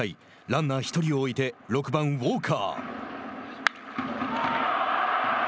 ランナー１人を置いて６番ウォーカー。